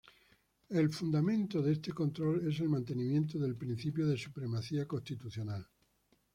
El fundamento de este control es el mantenimiento del Principio de Supremacía Constitucional.